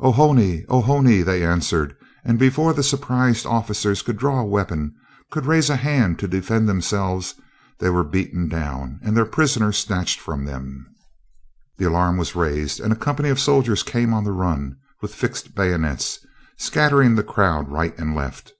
"Oho ne! Oho ne!" they answered, and before the surprised officers could draw a weapon, could raise a hand to defend themselves, they were beaten down, and their prisoner snatched from them. The alarm was raised, and a company of soldiers came on the run, with fixed bayonets, scattering the crowd right and left.